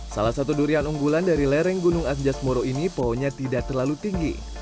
salah satu durian unggulan dari lereng gunung anjas moro ini pohonnya tidak terlalu tinggi